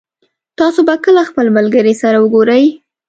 تاسو به کله خپل ملګري سره وګورئ